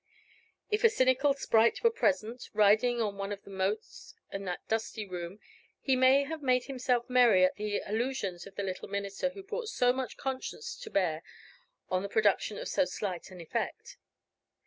If a cynical sprite were present, riding on one of the motes in that dusty room, he may have made himself merry at the illusions of the little minister who brought so much conscience to bear on the production of so slight an effect.